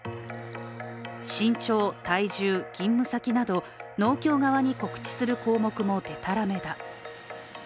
身長、体重、勤務先など農協側に告知する項目もでたらめだ。